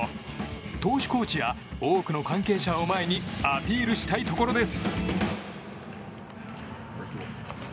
投手コーチや多くの関係者を前にアピールしたいところです。